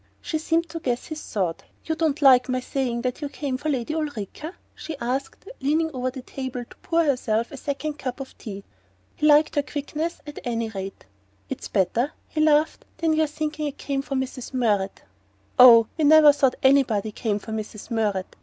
She seemed to guess his thought. "You don't like my saying that you came for Lady Ulrica?" she asked, leaning over the table to pour herself a second cup of tea. He liked her quickness, at any rate. "It's better," he laughed, "than your thinking I came for Mrs. Murrett!" "Oh, we never thought anybody came for Mrs. Murrett!